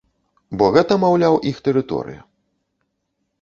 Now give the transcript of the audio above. Бо гэта, маўляў, іх тэрыторыя.